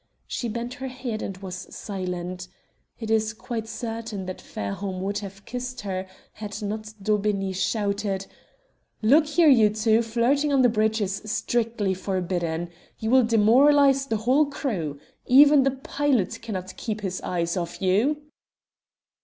She bent her head and was silent. It is quite certain that Fairholme would have kissed her had not Daubeney shouted "Look here, you two, flirting on the bridge is strictly forbidden. You will demoralize the whole crew. Even the pilot cannot keep his eyes off you."